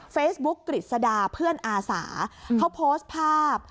เฟซบุ๊กกฤษดาเพื่อนอาสาเขาโพสต์ภาพ